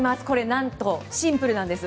何と、シンプルなんです。